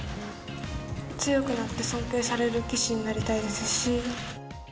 強くなって尊敬される棋士になりたいですし。